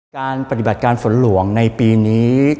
การปฏิบัติการฝนหลวงในปีนี้